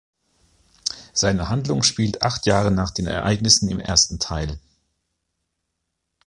Seine Handlung spielt acht Jahre nach den Ereignissen im ersten Teil.